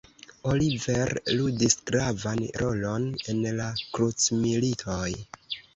Oliver ludis gravan rolon en la krucmilitoj.